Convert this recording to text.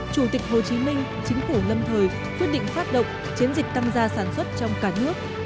chủ tịch hồ chí minh chính phủ lâm thời quyết định phát động chiến dịch tăng gia sản xuất trong cả nước